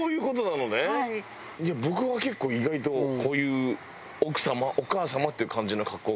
僕は結構意外とこういう奥様お母様っていう感じの格好が。